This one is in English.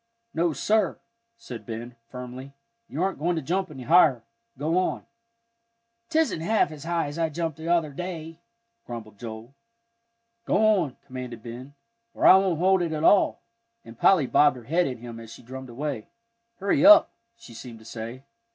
"No, sir," said Ben, firmly, "you aren't going to jump any higher. Go on." "Tisn't half as high as I jumped the other day," grumbled Joel. "Go on," commanded Ben, "or I won't hold it at all," and Polly bobbed her head at him as she drummed away. "Hurry up," she seemed to say.